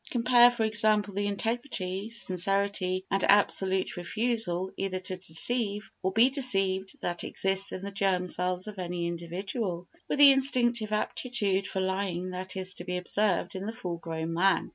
Compare, for example, the integrity, sincerity and absolute refusal either to deceive or be deceived that exists in the germ cells of any individual, with the instinctive aptitude for lying that is to be observed in the full grown man.